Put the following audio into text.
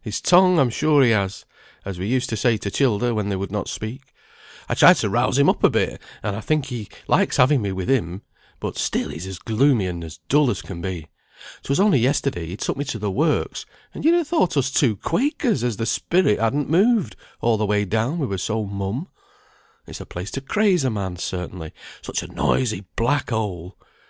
His tongue I'm sure he has, as we used to say to childer, when they would not speak. I try to rouse him up a bit, and I think he likes having me with him, but still he's as gloomy and as dull as can be. 'Twas only yesterday he took me to the works, and you'd ha' thought us two Quakers as the spirit hadn't moved, all the way down we were so mum. It's a place to craze a man, certainly; such a noisy black hole!